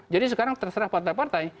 jadi sekarang terserah partai partai